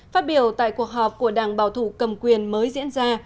phát biểu tại cuộc họp của đảng bảo thủ cầm quyền mới diễn ra